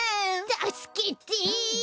たすけて。